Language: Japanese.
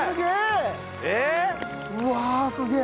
うわあすげえ。